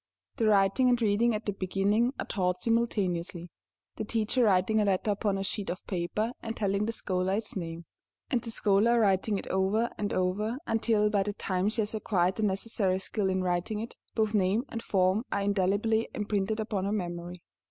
The writing and reading at the beginning, are taught simultaneously, the teacher writing a letter upon a sheet of paper and telling the scholar its name, and the scholar writing it over and over until, by the time she has acquired the necessary skill in writing it, both name and form are indelibly imprinted upon her memory.